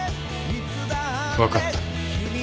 分かった。